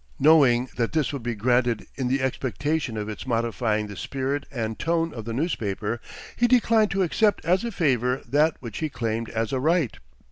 Knowing that this would be granted in the expectation of its modifying the spirit and tone of the newspaper, he declined to accept as a favor that which he claimed as a right.